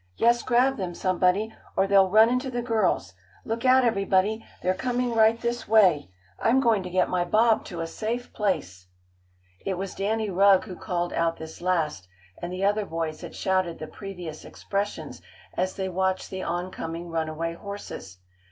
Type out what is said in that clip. "Yes, grab them, somebody, or they'll run into the girls!" "Look out, everybody, they're coming right this way!" "I'm going to get my bob to a safe place!" It was Danny Rugg who called out this last, and the other boys had shouted the previous expressions, as they watched the oncoming, runaway horses.